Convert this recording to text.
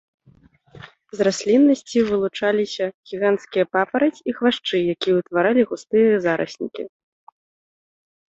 З расліннасці вылучаліся гіганцкія папараць і хвашчы, якія ўтваралі густыя зараснікі.